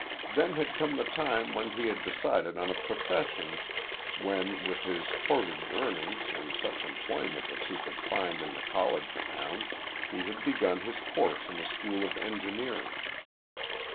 Then had come the time when he had decided on a profession, when, with his hoarded earnings and such employment as he could find in the college town, he had begun his course in a school of engineering.